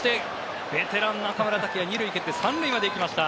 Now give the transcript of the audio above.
ベテラン、中村剛也２塁を蹴って３塁まで行きました。